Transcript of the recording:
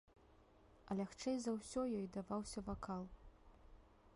А лягчэй за ўсё ёй даваўся вакал.